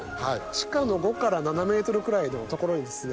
地下の５から７ｍくらいの所にですね